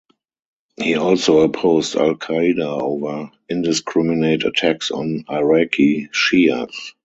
He also opposed Al-Qaida over indiscriminate attacks on Iraqi Shias.